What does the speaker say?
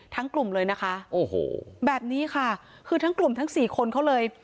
กลุ่มเลยนะคะโอ้โหแบบนี้ค่ะคือทั้งกลุ่มทั้งสี่คนเขาเลย